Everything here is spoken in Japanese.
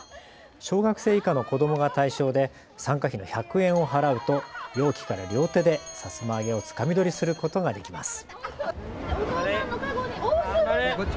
小学生以下の子どもが対象で参加費の１００円を払うと容器から両手で、さつま揚げをつかみ取りすることができます。